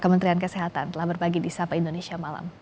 kementerian kesehatan telah berbagi di sapa indonesia malam